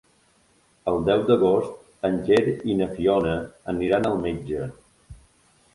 El deu d'agost en Quer i na Fiona aniran al metge.